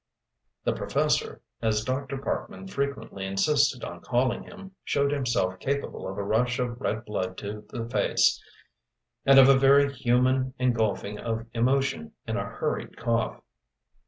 '" "The professor," as Dr. Parkman frequently insisted on calling him, showed himself capable of a rush of red blood to the face, and of a very human engulfing of emotion in a hurried cough.